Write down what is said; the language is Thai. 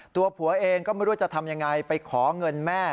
ตัวผัวเองก็ไม่รู้จะทำยังไงไปขอเงินแม่